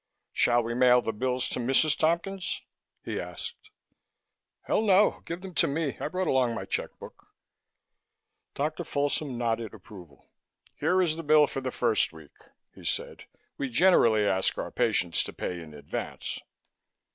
"Shall we mail the bills to Mrs. Tompkins?" he asked. "Hell, no! Give them to me. I brought along my check book." Dr. Folsom nodded approval. "Here is the bill for the first week," he said. "We generally ask our patients to pay in advance."